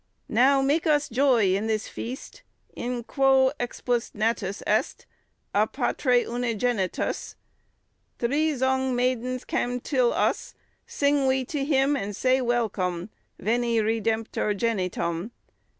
"Now make us ioye in this feste, In quo xpûs natus est, A patre unigenitus, iij zong maydens cam till us, Syng we to hym and say well come, Veni Redemptor gentium.